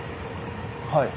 はい。